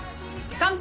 乾杯！